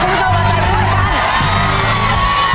เวลาไปแล้ว